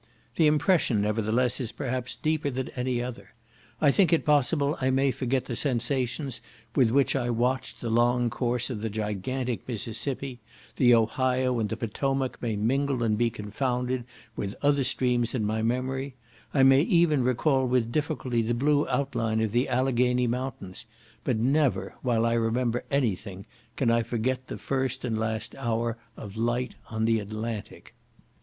The impression, nevertheless, is perhaps deeper than any other; I think it possible I may forget the sensations with which I watched the long course of the gigantic Mississippi; the Ohio and the Potomac may mingle and be confounded with other streams in my memory, I may even recall with difficulty the blue outline of the Alleghany mountains, but never, while I remember any thing, can I forget the first and last hour of light on the Atlantic.